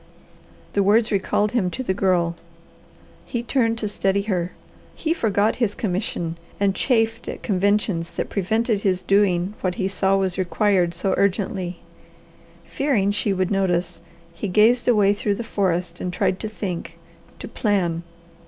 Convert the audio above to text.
The words recalled him to the Girl. He turned to study her. He forgot his commission and chafed at conventions that prevented his doing what he saw was required so urgently. Fearing she would notice, he gazed away through the forest and tried to think, to plan.